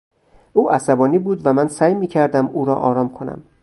او عصبانی بود و من سعی میکردم او را آرام کنم.